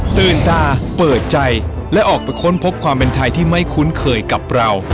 ตื่นตาเปิดใจและออกไปค้นพบความเป็นไทยที่ไม่คุ้นเคยกับเรา